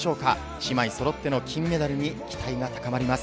姉妹そろっての金メダルに期待が高まります。